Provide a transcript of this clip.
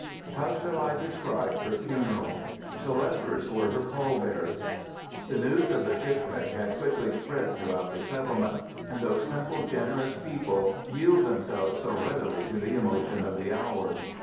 "How shall I describe her funeral? The lepers were her pall bearers. The news of the shipwreck had quickly spread throughout the settlement, and these simple, generous people yield themselves so readily to the emotion of the hour.